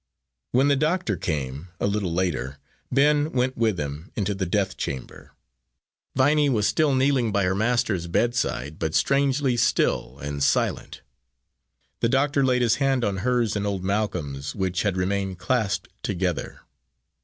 When the doctor came, a little later, Ben went with him into the death chamber. Viney was still kneeling by her master's bedside, but strangely still and silent. The doctor laid his hand on hers and old Malcolm's, which had remained clasped together.